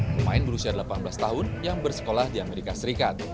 pemain berusia delapan belas tahun yang bersekolah di amerika serikat